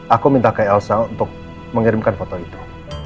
aku minta kayak elsa untuk mengirimkan foto itu